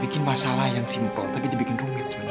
bikin masalah yang simpel tapi dibikin rumit sebenarnya